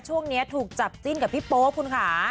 ช่วงนี้ถูกจับจิ้นกับพี่โป๊ปคุณค่ะ